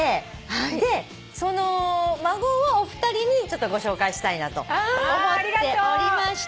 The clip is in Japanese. でその孫をお二人にちょっとご紹介したいなと思っておりまして。